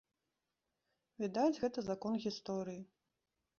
Відаць, гэта закон гісторыі.